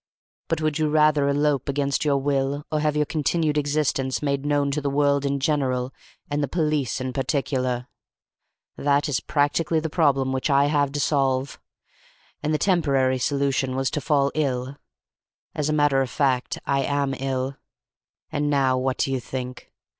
But would you rather elope against your will, or have your continued existence made known to the world in general and the police in particular? That is practically the problem which I have had to solve, and the temporary solution was to fall ill. As a matter of fact, I am ill; and now what do you think?